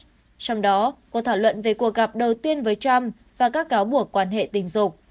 trong đó có thảo luận về cuộc gặp đầu tiên với trump và các cáo buộc quan hệ tình dục